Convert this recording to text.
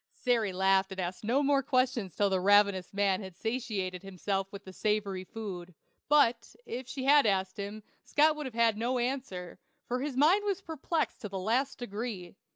Sary laughed and asked no more questions till the ravenous man had satisfied himself with the savory food; but, if she had asked them, Scott would have had no answer, for his mind was perplexed to the last degree.